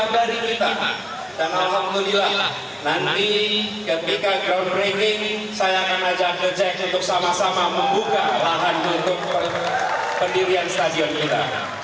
nanti ketika groundbreaking saya akan ajak the jack untuk sama sama membuka lahan untuk pendirian stadion kita